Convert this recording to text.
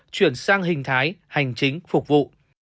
chuyển sang hình thái hành chính phục vụ